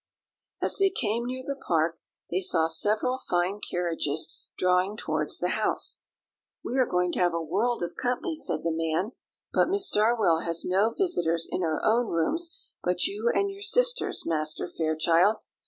As they came near the park, they saw several fine carriages drawing towards the house. "We are going to have a world of company," said the man; "but Miss Darwell has no visitors in her own rooms but you and your sisters, Master Fairchild.